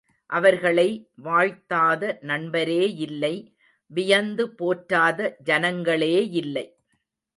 அவர்களை வாழ்த்தாத நண்பரேயில்லை வியந்து போற்றாத ஜனங்களேயில்லை.